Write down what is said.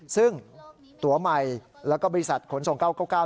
ซึ่งตัวใหม่แล้วก็บริษัทขนส่ง๙๙๙